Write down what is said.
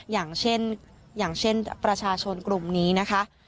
อย่างเช่นอย่างเช่นประชาชนกลุ่มนี้นะคะ